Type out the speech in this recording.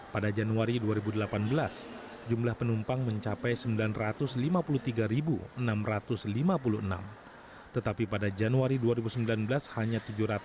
pada januari dua ribu delapan belas jumlah penumpang mencapai sembilan ratus lima puluh tiga enam ratus lima puluh enam tetapi pada januari dua ribu sembilan belas hanya tujuh ratus tiga puluh